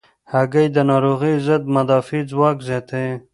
هګۍ د ناروغیو ضد مدافع ځواک زیاتوي.